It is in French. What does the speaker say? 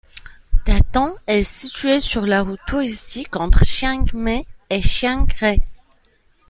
Tha Ton est situé sur la route touristique entre Chiang Mai et Chiang Rai.